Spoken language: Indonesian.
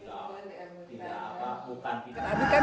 nia mengatakan bahwa ini adalah anggota dprd kabupaten tasikmalaya